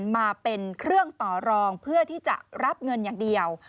มาเป็นเครื่องต่อรองเพื่อที่จะรับเงินอย่างเดียว